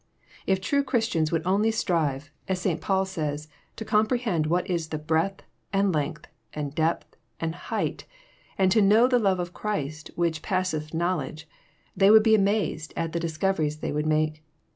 If true Christiana would only strive, as St. Paul says, to " comprehend what is the breadth, and length, and depth, and height, and to know the love of Christ, which passeth knowledge," they would be amazed at the discoveries they would make.